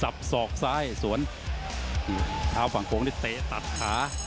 เผื่อไว้ไปหรือเปล่า